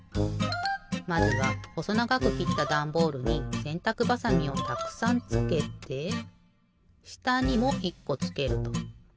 まずはほそながくきったダンボールにせんたくばさみをたくさんつけてしたにも１こつけると。